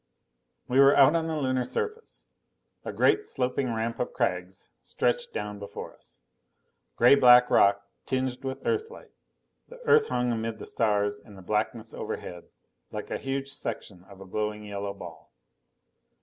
We were out on the Lunar surface. A great sloping ramp of crags stretched down before us. Gray black rock tinged with Earthlight. The Earth hung amid the stars in the blackness overhead like a huge section of a glowing yellow ball.